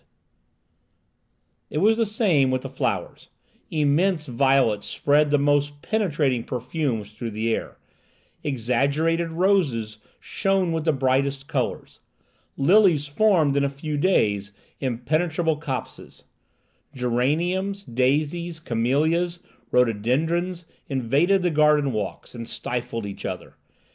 It required two persons to eat a strawberry It was the same with the flowers: immense violets spread the most penetrating perfumes through the air; exaggerated roses shone with the brightest colours; lilies formed, in a few days, impenetrable copses; geraniums, daisies, camelias, rhododendrons, invaded the garden walks, and stifled each other.